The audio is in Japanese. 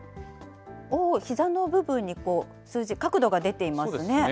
ひざの部分に数字、角度が出ていますね。